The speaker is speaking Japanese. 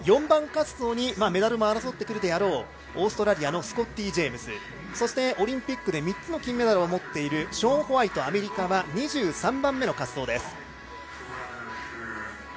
４番滑走でメダルも争ってくるであろうオーストラリアのスコッティ・ジェームズそしてオリンピックで３つの金メダルを持っているショーン・ホワイト、アメリカは２３番目の滑走です。